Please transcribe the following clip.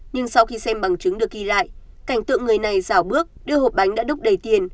nhưng sau khi xem bằng chứng được ghi lại cảnh tượng người này giảo bước đưa hộp bánh đã đúc đầy tiền